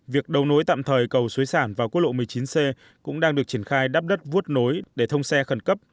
việc đầu nối tạm thời cầu xuế sản vào quốc lộ một mươi chín c cũng đang được triển khai đắp đất vuốt nối để thông xe khẩn cấp